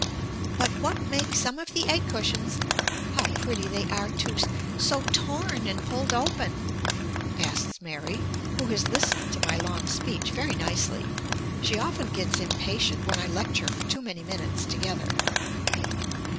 "But what makes some of the egg cushions how pretty they are, too! so torn and pulled open," asks Mary, who has listened to my long speech very nicely. She often gets impatient when I lecture for too many minutes together.